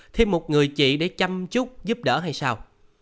thêm một người chị để chăm chúc giúp đỡ hay sao